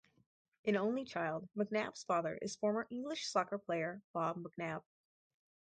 An only child, McNab's father is former English soccer player Bob McNab.